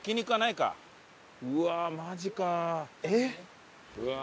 うわマジか。